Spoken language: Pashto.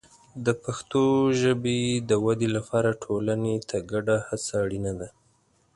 د پښتو ژبې د ودې لپاره ټولنې ته ګډه هڅه اړینه ده.